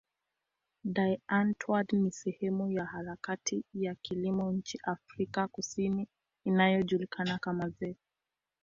Die Antwoord ni sehemu ya harakati ya kilimo nchini Afrika Kusini inayojulikana kama zef.